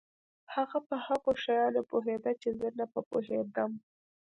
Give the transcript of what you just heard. هغه په هغو شیانو پوهېده چې زه نه په پوهېدم.